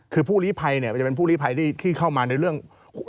คือผู้ลีภัยเนี่ยมันจะเป็นผู้ลีภัยที่เข้ามาในเรื่อง